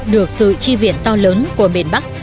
được sự chi viện to lớn của miền bắc